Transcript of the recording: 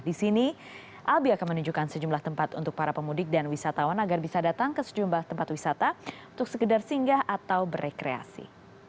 di sini albi akan menunjukkan sejumlah tempat untuk para pemudik dan wisatawan agar bisa datang ke sejumlah tempat wisata untuk sekedar singgah atau berekreasi